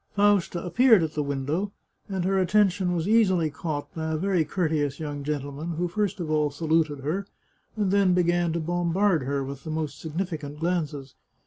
Fausta appeared at the window, and her attention was easily caught by a very courteous young gentleman, who first of all saluted her, and then began to bombard her with most significant glances.